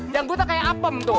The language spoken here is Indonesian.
jangan buta kayak apem tuh